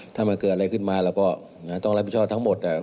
ถ้ามันเกิดอะไรขึ้นมาเราก็ต้องรับผิดชอบทั้งหมด